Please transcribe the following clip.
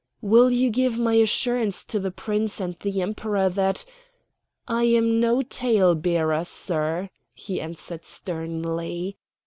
"Will you give my assurance to the Prince and the Emperor that ..." "I am no tale bearer, sir," he answered sternly.